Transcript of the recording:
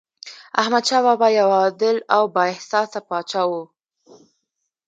احمدشاه بابا یو عادل او بااحساسه پاچا و.